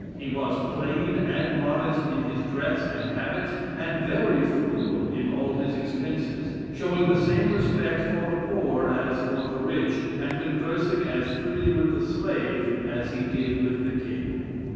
He was plain and modest in his dress and habits and very frugal in all his expenses, showing the same respect for the poor as for the rich, and conversing as freely with the slave as he did with the king.